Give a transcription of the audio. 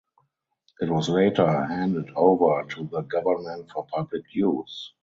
It was later handed over to the government for public use.